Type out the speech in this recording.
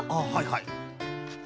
はいはい。